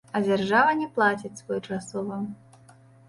А дзяржава не плаціць своечасова.